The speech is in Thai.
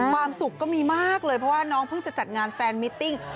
ความสุขก็มีมากเลยเพราะว่าน้องเพิ่งจะจัดงานแฟนมิตติ้ง